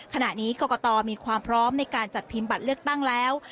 ขณะนี้กรกตมีความพร้อมในการจัดพิมพ์บัตรเลือกตั้งแล้ว